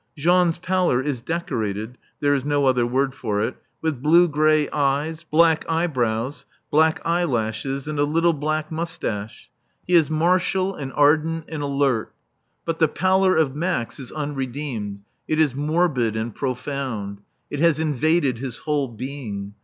Jean's pallor is decorated (there is no other word for it) with blue grey eyes, black eyebrows, black eyelashes and a little black moustache. He is martial and ardent and alert. But the pallor of Max is unredeemed; it is morbid and profound. It has invaded his whole being.